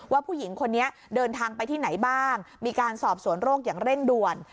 ว่าผู้หญิงคนนี้เดินทางไปที่ไหนบ้างมีการสอบสวนโรคอย่างเร่งด่วน